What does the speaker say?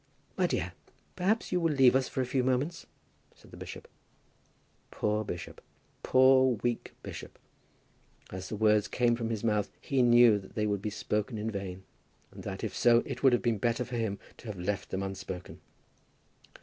"My dear, perhaps you will leave us for a few moments," said the bishop. Poor bishop! Poor weak bishop! As the words came from his mouth he knew that they would be spoken in vain, and that, if so, it would have been better for him to have left them unspoken.